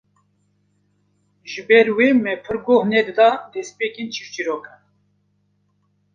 Ji ber wê me pir goh nedida destpêkên çîrçîrokan